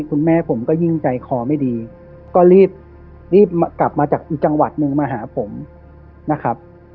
คุณแม่ผมก็ยิ่งใจคอไม่ดีก็รีบรีบกลับมาจากอีกจังหวัดหนึ่งมาหาผมนะครับ